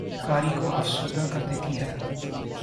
قاری کو افسردہ کر دیتی ہے